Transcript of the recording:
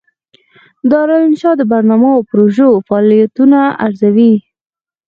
دارالانشا د برنامو او پروژو فعالیتونه ارزوي.